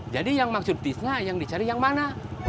jadi yang maksud disnya yang dicari yang mana